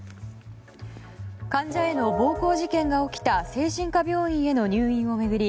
患者への暴行事件が起きた精神科病院への入院を巡り